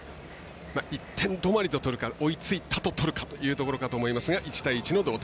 １点止まりととるか追いついたととるかというところですが１対１の同点。